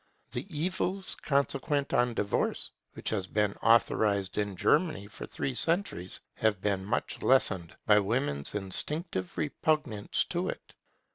The evils consequent on divorce, which has been authorized in Germany for three centuries, have been much lessened by women's instinctive repugnance to it.